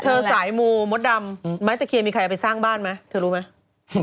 สายมูมดดำไม้ตะเคียนมีใครเอาไปสร้างบ้านไหมเธอรู้ไหม